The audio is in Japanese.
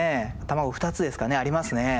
卵２つですかねありますね。